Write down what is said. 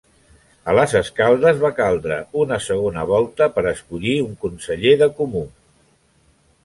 A les Escaldes va caldre una segona volta per escollir un conseller de comú.